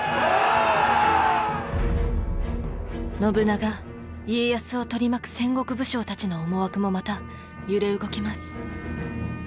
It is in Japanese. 信長家康を取り巻く戦国武将たちの思惑もまた揺れ動きます。